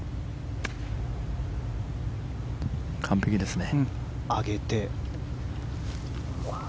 完璧ですね。